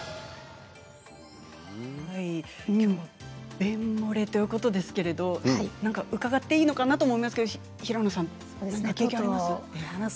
便もれということですけれど伺っていいのかなと思いますけど平野さん、経験あります？